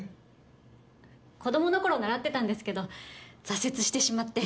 子供のころ習ってたんですけど挫折してしまって。